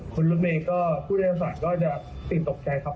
คนรถเมย์ก็ผู้จัดการก็จะติดตกใจครับ